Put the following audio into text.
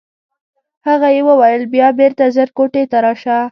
هغه یې وویل بیا بېرته ژر کوټې ته راشه.